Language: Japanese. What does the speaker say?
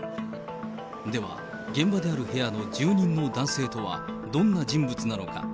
では、現場である部屋の住人の男性とはどんな人物なのか。